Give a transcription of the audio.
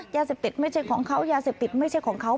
ยาเสพติดไม่ใช่ของเขายาเสพติดไม่ใช่ของเขา